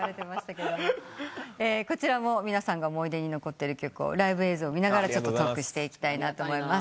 こちらも皆さんが思い出に残ってる曲をライブ映像を見ながらトークしていきたいと思います。